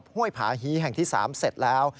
ห้วยผาฮีแห่งที่๓เสร็จแล้ว